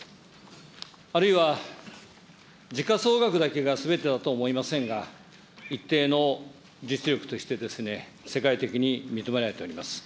あるいは時価総額だけがすべてだと思いませんが、一定の実力として世界的に認められております。